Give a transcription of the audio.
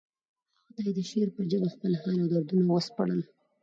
هغه ته یې د شعر په ژبه خپل حال او دردونه وسپړل